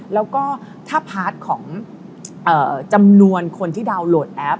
แล้วก็ถ้าพาร์ทของจำนวนคนที่ดาวนโหลดแอป